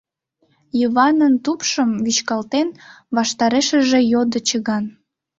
— Йыванын тупшым вӱчкалтен, ваштарешыже йодо чыган.